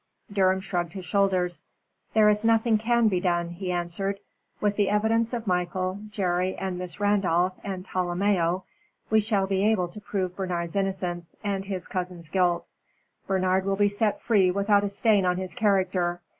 Durham shrugged his shoulders. "There is nothing can be done," he answered. "With the evidence of Michael, Jerry and Miss Randolph and Tolomeo, we shall be able to prove Bernard's innocence and his cousin's guilt. Bernard will be set free without a stain on his character.